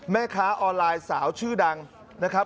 แม่ค้าออนไลน์สาวชื่อดังนะครับ